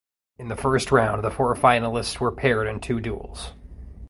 In the first round the four finalists were paired in two duels.